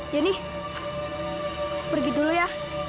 jenny pergi dulu ya